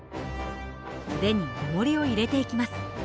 腕におもりを入れていきます。